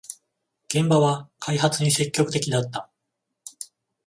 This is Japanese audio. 現場は開発に積極的だった